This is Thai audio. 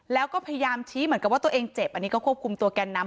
แล้วก็พยายามชี้เหมือนกับว่าตัวเองเจ็บอันนี้ก็ควบคุมตัวแกนนำ